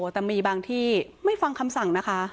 แต่มีบางที่ไม่ฟังคำสั่งนะคะ